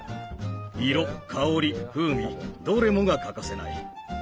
色香り風味どれもが欠かせない。